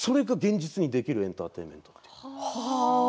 それが現実にできるエンターテインメントです。